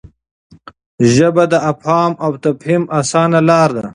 ژبه د افهام او تفهیم اسانه لار ده.